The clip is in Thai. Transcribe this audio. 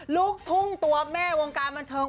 ลูกทุ่งตัวแม่วงการบันเทิง